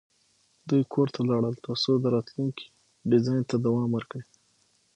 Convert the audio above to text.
دوی کور ته لاړل ترڅو د راتلونکي ډیزاین ته دوام ورکړي